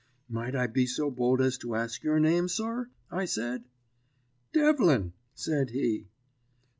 "'Might I be so bold as to ask your name, sir?' I said. "'Devlin,' said he.